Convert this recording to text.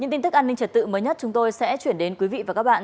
những tin tức an ninh trật tự mới nhất chúng tôi sẽ chuyển đến quý vị và các bạn